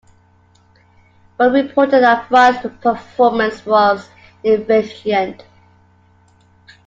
Buell reported that Fry's performance was "inefficient".